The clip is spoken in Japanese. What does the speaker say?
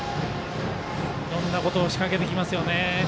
いろんなことを仕掛けてきますよね。